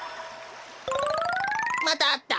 またあった。